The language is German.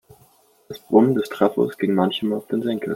Das Brummen des Trafos ging manchem auf den Senkel.